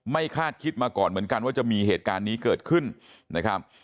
คาดคิดมาก่อนเหมือนกันว่าจะมีเหตุการณ์นี้เกิดขึ้นนะครับ